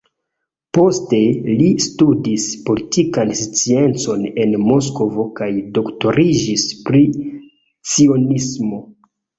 Poste li studis politikan sciencon en Moskvo kaj doktoriĝis pri cionismo.